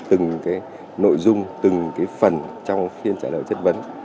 từng cái nội dung từng cái phần trong phiên trả lời chất vấn